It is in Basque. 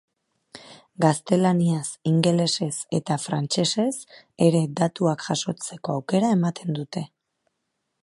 Gaztelaniaz, ingelesez eta frantsesez ere datuak jasotzeko aukera ematen dute.